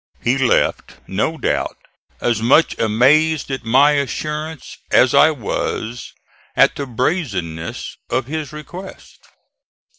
He left, no doubt, as much amazed at my assurance as I was at the brazenness of his request.